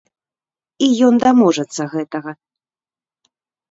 І ён даможацца гэтага.